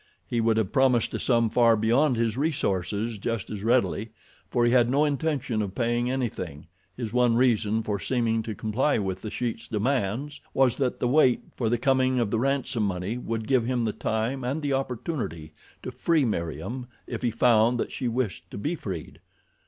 He would have promised a sum far beyond his resources just as readily, for he had no intention of paying anything—his one reason for seeming to comply with The Sheik's demands was that the wait for the coming of the ransom money would give him the time and the opportunity to free Meriem if he found that she wished to be freed.